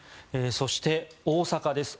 そして、大阪です。